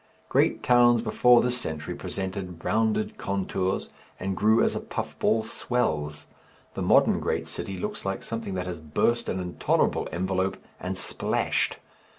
Great Towns before this century presented rounded contours and grew as a puff ball swells; the modern Great City looks like something that has burst an intolerable envelope and splashed.